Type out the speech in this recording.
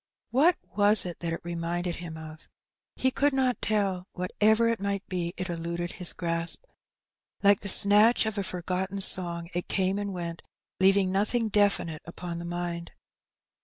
What was it that it reminded him of? He could not tell; whatever it might be, it eluded his grasp. Like the snatch of a forgotten song it came and went, leaving nothing definite upon the mind.